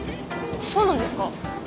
そうなんですか？